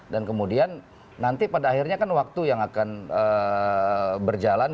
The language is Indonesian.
dan kemudian nanti pada akhirnya kan waktu yang akan berjalan